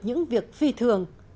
những việc phi thường